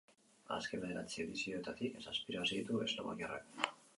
Azken bederatzi edizioetatik zazpi irabazi ditu eslovakiarrak.